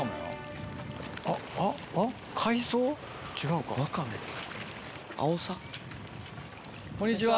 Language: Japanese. うん？こんにちは。